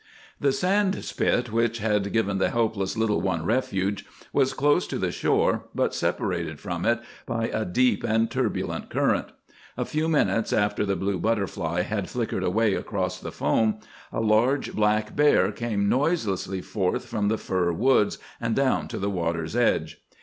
The sand spit which had given the helpless little one refuge was close to the shore, but separated from it by a deep and turbulent current. A few minutes after the blue butterfly had flickered away across the foam, a large black bear came noiselessly forth from the fir woods and down to the water's edge.